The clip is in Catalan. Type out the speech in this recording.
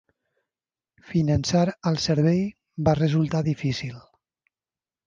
Finançar el servei va resultar difícil.